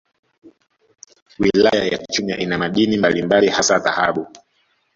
Wilaya ya Chunya ina madini mbalimbali hasa dhahabu